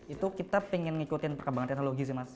itu kita ingin mengikuti perkembangan teknologi sih mas